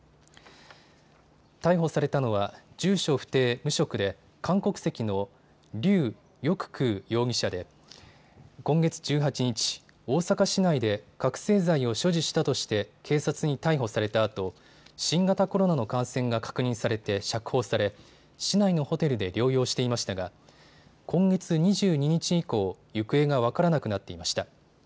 逮捕されたのは住所不定、無職で韓国籍の劉翼空容疑者で今月１８日、大阪市内で覚醒剤を所持したとして警察に逮捕されたあと新型コロナの感染が確認されて釈放され市内のホテルで療養していましたが今月２２日以降、行方が分からなくなっていました。